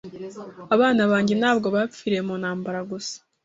Abana banjye ntabwo bapfiriye mu ntambara gusa.